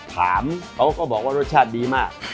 ถามเขาก็บอกว่ารสชาติดีมาก